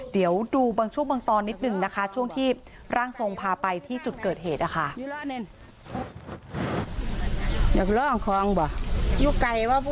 เดี๋ยวดูบางช่วงบางตอนนิดหนึ่งนะคะช่วงที่ร่างทรงพาไปที่จุดเกิดเหตุนะคะ